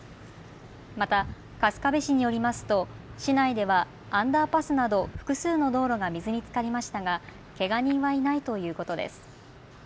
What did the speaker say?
また春日部市によりますと市内ではアンダーパスなど複数の道路が水につかりましたがけが人はいないということです。